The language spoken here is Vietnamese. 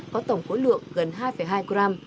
có tổng khối lượng gần hai hai gram